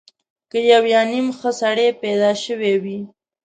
که یو یا نیم ښه سړی پیدا شوی وي.